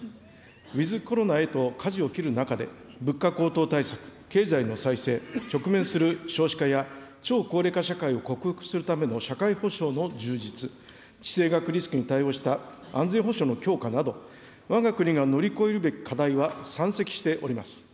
ウィズコロナへとかじを切る中で、物価高騰対策、経済の再生、直面する少子化や超高齢化社会を克服するための社会保障の充実、地政学リスクに対応した安全保障の強化など、わが国が乗り越えるべき課題は山積しております。